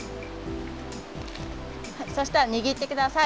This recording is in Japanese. そしたらにぎってください。